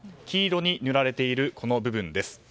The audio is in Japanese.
黄色に塗られている部分です。